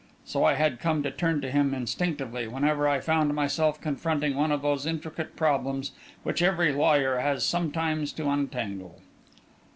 So I had come to turn to him instinctively whenever I found myself confronting one of those intricate problems which every lawyer has sometimes to untangle.